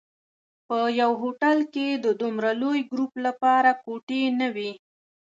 په یوه هوټل کې د دومره لوی ګروپ لپاره کوټې نه وې.